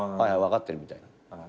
「分かってる」みたいな。